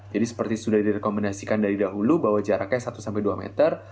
jadi seperti sudah direkomendasikan dari dahulu bahwa jaraknya satu sampai dua meter